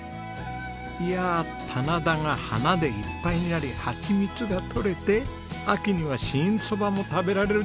いやあ棚田が花でいっぱいになりハチミツがとれて秋には新ソバも食べられるじゃないですか！